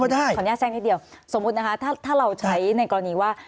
ขออนุญาตแทรกนิดเดียวสมมุตินะคะถ้าเราใช้ในกรณีว่า